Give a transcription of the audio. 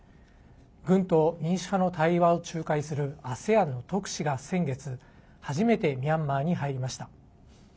軍と民主派の対話を仲介するＡＳＥＡＮの特使が先月初めてミャンマーに入りました。